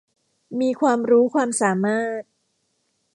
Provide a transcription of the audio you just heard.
มีความรู้ความสามารถ